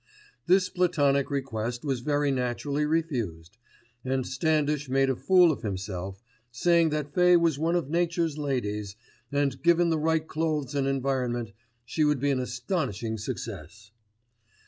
This platonic request was very naturally refused, and Standish made a fool of himself, said that Fay was one of Nature's ladies, and, given the right clothes and environment, she would be an astonishing success.